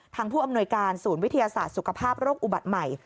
ผู้อำนวยการศูนย์วิทยาศาสตร์สุขภาพโรคอุบัติใหม่